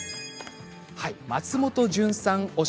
松本潤さん推し。